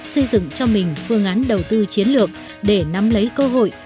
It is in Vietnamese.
xây dựng cho mình phương án đầu tư chiến lược để nắm lấy cơ hội